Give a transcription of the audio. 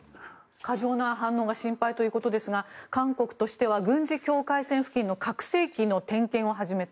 過剰な反応が心配ということですが韓国としては軍事境界線付近の拡声器の点検を始めた。